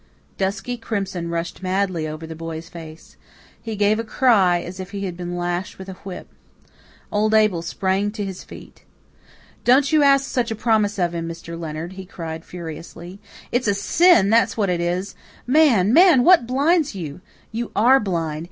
Dusky crimson rushed madly over the boy's face. He gave a cry as if he had been lashed with a whip. Old Abel sprang to his feet. "Don't you ask such a promise of him, Mr. Leonard," he cried furiously. "It's a sin, that's what it is. Man, man, what blinds you? You ARE blind.